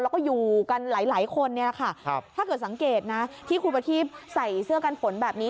แล้วก็อยู่กันหลายคนเนี่ยแหละค่ะถ้าเกิดสังเกตนะที่ครูประทีปใส่เสื้อกันฝนแบบนี้